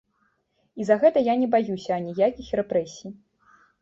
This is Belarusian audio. І за гэта я не баюся аніякіх рэпрэсій.